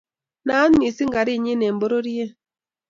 naat mising karinyin eng' bororiet.